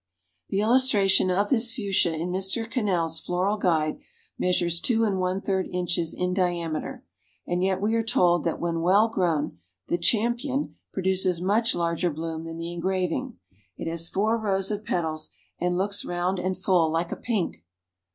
_ The illustration of this Fuchsia in Mr. Cannell's Floral Guide measures two and one third inches in diameter, and yet we are told that when well grown, the Champion produces much larger bloom than the engraving. It has four rows of petals, and looks round and full like a pink.